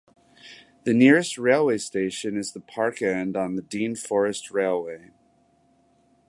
The nearest railway station is Parkend on the Dean Forest Railway.